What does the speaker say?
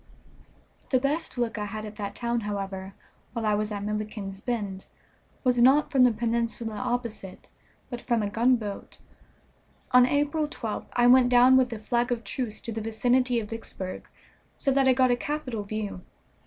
The best look I had at that town, however, while I was at Milliken's Bend was not from the peninsula opposite, but from a gunboat. On April 12th I went down with a flag of truce to the vicinity of Vicksburg, so that I got a capital view.